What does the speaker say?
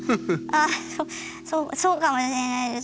ああそうかもしれないです